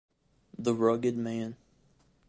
The Rugged Man.